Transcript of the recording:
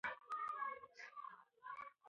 درباریانو د راحت په خاطر کمزوری پاچا غوره کړ.